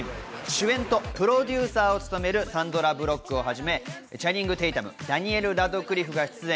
主演とプロデューサーを務めるサンドラ・ブロックをはじめ、チャニング・テイタム、ダニエル・ラドクリフが出演。